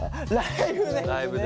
ライブね。